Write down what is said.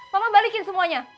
mama balikin semuanya